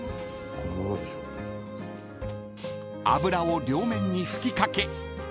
［油を両面に吹き掛け］